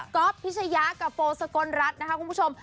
ก็พิชยากับโฟสกลรัฐนะคะคุณผู้ชม